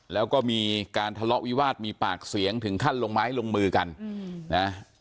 แล้วก็มีการทะเลาะวิวาสมีปากเสียงถึงขั้นลงไม้ลงมือกันนะ